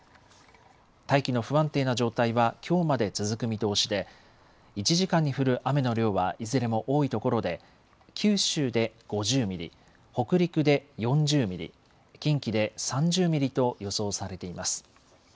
大気の不安定な状態はきょうまで続く見通しで１時間に降る雨の量はいずれも多いところで九州で５０ミリ、北陸で４０ミリ、近畿で３０ミリと予想されています。